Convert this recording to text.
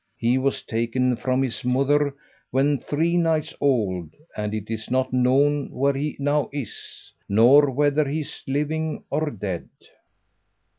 He was taken from his mother when three nights old, and it is not known where he now is, nor whether he is living or dead."